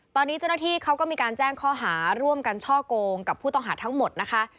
ตอนนี้เจ้าหน้าที่เขาก็มีการแจ้งข้อหาร่วมกันช่อกงกับผู้ต้องหาทั้งหมดนะคะ